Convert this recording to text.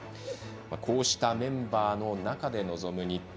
こうしたメンバーの中で臨む日本